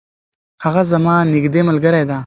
هغه زما نږدې ملګرې ده.